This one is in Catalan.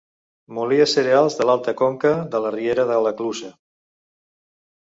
Molia cereals de l'alta conca de la riera de la clusa.